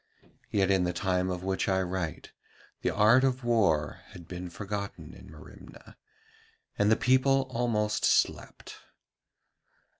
Yet in the time of which I write the art of war had been forgotten in Merimna, and the people almost slept.